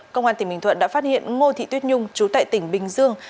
công an tỉnh bình thuận đã phát hiện ngô thị tuyết nhung trú tại tỉnh bình dương